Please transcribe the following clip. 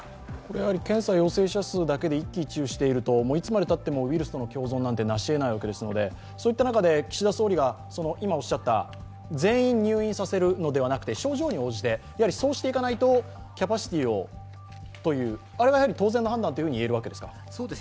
検査陽性者数でいうと、いつまでたってもウイルスとの共存なんて成し得ないわけですのでそういった中で、岸田総理が今、おっしゃった全員、入院させるのではなくて症状に応じて、そうしていかないとキャパシティーがという、あれはやはり当然の判断と言えるわけですか。